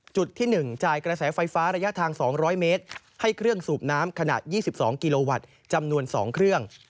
จุดที่๑จ่ายกระแสไฟฟ้าระยะทาง๒๐๐เมตรให้เครื่องสูบน้ำขนาด๒๒กิโลวัตต์จำนวน๒เครื่อง